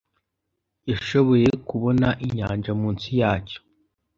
Yashoboye kubona inyanja munsi yacyo